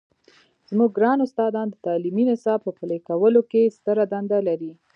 زموږ ګران استادان د تعلیمي نصاب په پلي کولو کې ستره دنده لري.